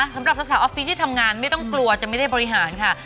สำหรับสาวออฟฟิศที่ทำงานไม่ต้องกลัวจะไม่ได้บริหารค่ะ